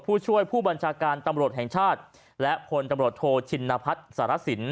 ผู้ช่วยผู้บัญชาการตำรวจแห่งชาติและพลตำรวจโทชินพัฒน์สารสิน